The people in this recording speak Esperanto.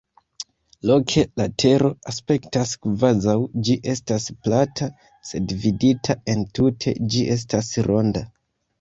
Loke la Tero aspektas kvazaŭ ĝi estas plata, sed vidita entute ĝi estas ronda.